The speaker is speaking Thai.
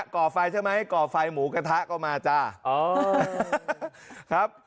ก่อไฟใช่ไหมก่อไฟหมูกระทะก็มาจ้าอ๋อครับ